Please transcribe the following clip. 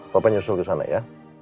papa nyusul kesana ya